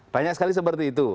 banyak sekali seperti itu